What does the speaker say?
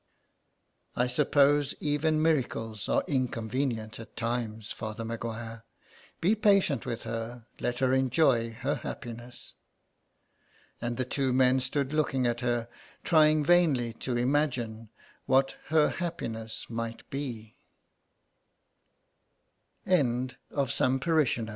" I suppose even miracles are inconvenient at times, Father Maguire. Be patient with her, let her enjoy her happiness." And the two men stood looking at her, trying vainly to imagine what her happi